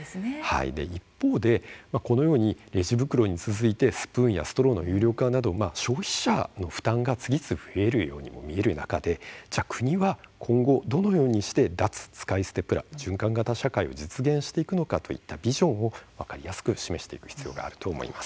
一方でこのようにレジ袋に続いてスプーンストローの有料化など消費者の負担が次々増えるように見える中で、国は今後どのようにして脱使い捨てプラ循環型社会を実現していくのかビジョンを分かりやすく示していく必要があると思います。